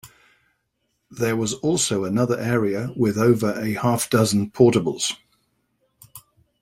There was also another area with over a half dozen portables.